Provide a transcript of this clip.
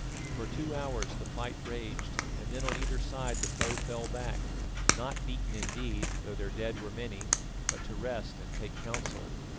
For two hours the fight raged, and then on either side the foe fell back, not beaten indeed, though their dead were many, but to rest and take counsel.